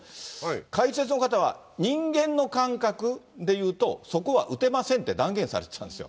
解説の方は、人間の感覚でいうと、そこは打てませんって断言されてたんですよ。